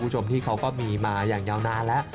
คุณผู้ชมพี่เขาก็มีมาอย่างยาวนานแล้ว